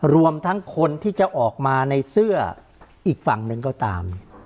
รวมทั้งคนที่จะออกมาในเสื้ออีกฝั่งหนึ่งก็ตาม